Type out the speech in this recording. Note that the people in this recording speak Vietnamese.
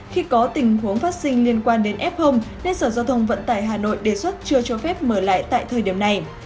khi có tình huống phát sinh liên quan đến f nên sở giao thông vận tải hà nội đề xuất chưa cho phép mở lại tại thời điểm này